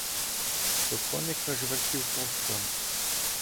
Що коник аж вертів хвостом.